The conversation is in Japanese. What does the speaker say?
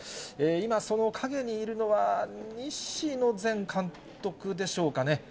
今、その陰にいるのは西野前監督でしょうかね。